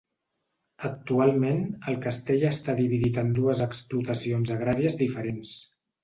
Actualment el castell està dividit en dues explotacions agràries diferents.